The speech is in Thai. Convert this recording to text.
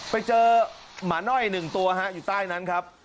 ไปเจอหมาน่อย๑ตัวฮะอยู่ใต้นั้นครับ